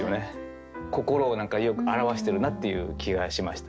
心をよく表してるなっていう気がしましたね。